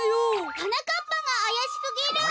はなかっぱがあやしすぎる！